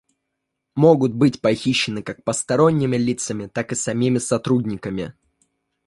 Могут быть похищены как посторонними лицами, так и самими сотрудниками